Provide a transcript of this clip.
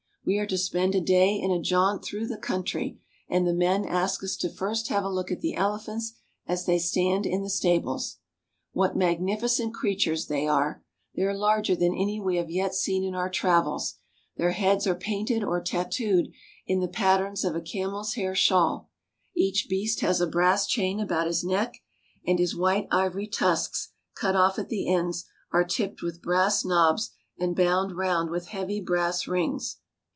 We are to spend a day in a jaunt through the country ; and the men ask us to first have a look at the elephants as they stand in the stables. What magnificent creatures they are! They are larger than any we have yet seen in our L^^^^^^ travels. Their heads are painted or tattooed in the patterns of a camel's hair shawl. Each beast has a brass chain about his neck, and his white ivory tusks, cut off at the ends, are tipped with brass knobs and bound round with heavy brass rings.